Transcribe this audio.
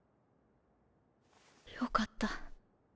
よかった。